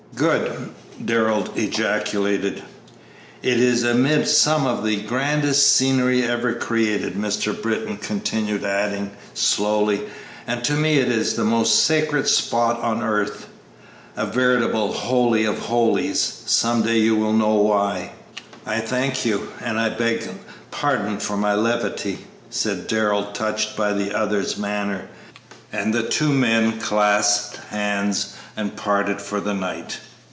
"Good!" Darrell ejaculated. "It is amid some of the grandest scenery ever created," Mr. Britton continued, adding, slowly, "and to me it is the most sacred spot on earth, a veritable Holy of Holies; some day you will know why." "I thank you, and I beg pardon for my levity," said Darrell, touched by the other's manner. And the two men clasped hands and parted for the night.